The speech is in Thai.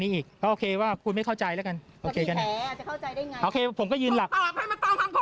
แล้วเขาก็จะได้เข้าใจกันอันนี้มึงแถไปแถมา